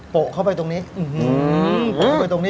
โปะเข้าไปตรงนี้